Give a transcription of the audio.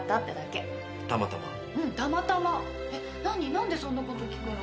何でそんなこと聞くの？